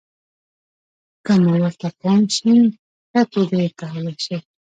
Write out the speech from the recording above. که مو ورته پام شي، په ښه توګه یې کولای شئ.